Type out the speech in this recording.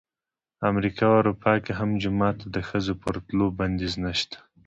امریکا او اروپا کې هم جومات ته د ښځو پر تلو بندیز نه شته.